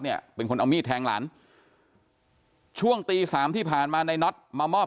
เนี่ยเป็นคนเอามีดแทงหลานช่วงตีสามที่ผ่านมาในน็อตมามอบ